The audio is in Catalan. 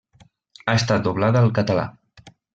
Ha estat doblada al Català.